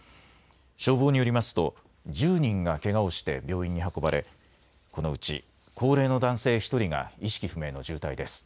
消防によりますと１０人がけがをして病院に運ばれこのうち高齢の男性１人が意識不明の重体です。